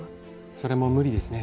それも無理ですね。